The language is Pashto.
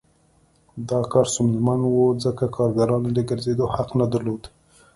دا کار ستونزمن و ځکه کارګرانو د ګرځېدو حق نه درلود